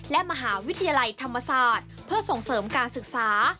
และมหาวิทยาลัยธรรมศาสตร์เพื่อส่งเสริมการศึกษา